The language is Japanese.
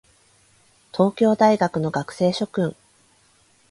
東京大学の学生諸君